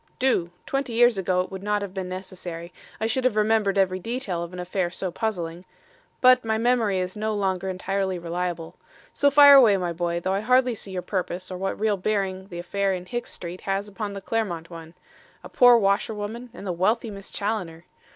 "Do. Twenty years ago it would not have been necessary. I should have remembered every detail of an affair so puzzling. But my memory is no longer entirely reliable. So fire away, my boy, though I hardly see your purpose or what real bearing the affair in Hicks Street has upon the Clermont one. A poor washerwoman and the wealthy Miss Challoner!